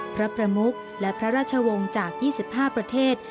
พระประมุกและพระราชวงศ์จาก๒๕ประเทศ